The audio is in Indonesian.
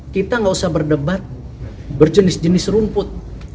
kita nggak usah berdebat berjenis jenis rumput